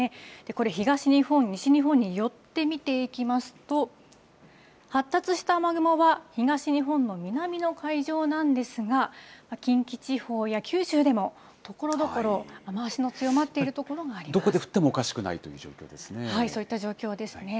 これ、東日本、西日本に寄って見ていきますと、発達した雨雲は、東日本の南の海上なんですが、近畿地方や九州でもところどころ、どこで降ってもおかしくないそういった状況ですね。